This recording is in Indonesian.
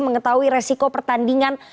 mengetahui resiko pertandingan